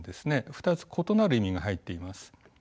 ２つ異なる意味が入っています。